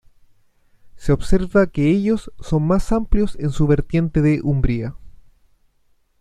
Se observa que ellos son más amplios en su vertiente de umbría.